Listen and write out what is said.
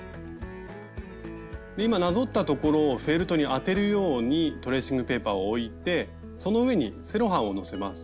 今なぞったところをフェルトに当てるようにトレーシングペーパーを置いてその上にセロハンをのせます。